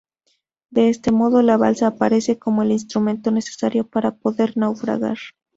De este modo la balsa aparece como el instrumento necesario para poder naufragar.